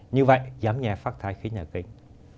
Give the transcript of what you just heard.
như vậy giảm nhẹ phát thai khí nhà kính